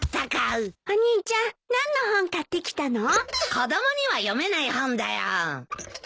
子供には読めない本だよ。